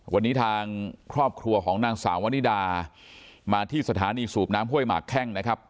วันนี้ทางครอบครัวของนางสาววนิดามาที่สถานีสูบน้ำห้วยหมากแข้งนะครับ